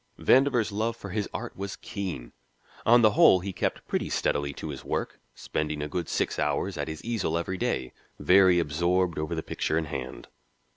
Vandover's love for his art was keen. On the whole he kept pretty steadily to his work, spending a good six hours at his easel every day, very absorbed over the picture in hand.